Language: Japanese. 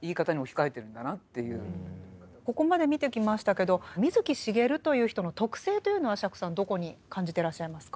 ここまで見てきましたけど水木しげるという人の特性というのは釈さんどこに感じてらっしゃいますか？